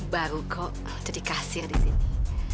baru kok jadi kasir di sini